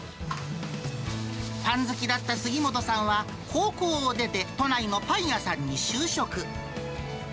パン好きだった杉本さんは高校を出て都内のパン屋さんに就職。